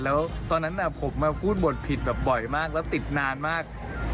แล้วตอนนั้นผมมาพูดบทผิดแบบบ่อยมากแล้วติดนานมาก